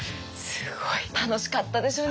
すごい。楽しかったでしょうね